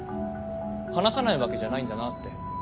話さないわけじゃないんだなって。